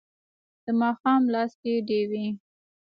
د ماښام لاس کې ډیوې